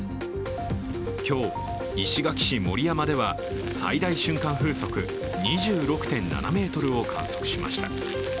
今日、石垣市盛山では、最大瞬間風速２６．７メートルを観測しました。